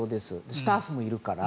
スタッフもいるから。